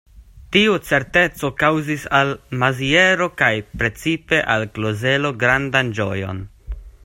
Tiu certeco kaŭzis al Maziero kaj precipe al Klozelo grandan ĝojon.